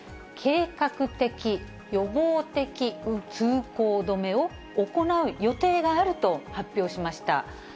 計画的・予防的通行止めを行う予定があると発表しました。